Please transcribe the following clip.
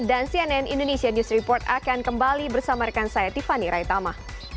dan cnn indonesia news report akan kembali bersama rekan saya tiffany raitama